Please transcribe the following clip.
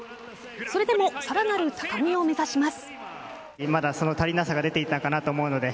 それでもさらなる高みを目指します。